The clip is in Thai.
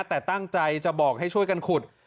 แต่ตั้งใจจะบอกให้ช่วยกันขุด